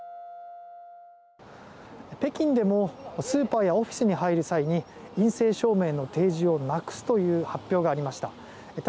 北京でもスーパーやオフィスに入る際に陰性証明の提示をなくすという発表がありました。